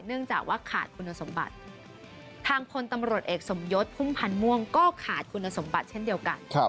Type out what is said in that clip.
เนื่องจากว่าขาดคุณสมบัติทางพลตำรวจเอกสมยศพุ่มพันธ์ม่วงก็ขาดคุณสมบัติเช่นเดียวกัน